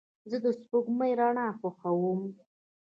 زه د سپوږمۍ رڼا خوښوم.